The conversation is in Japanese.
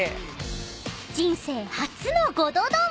［人生初のごど丼］